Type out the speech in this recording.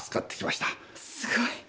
すごい。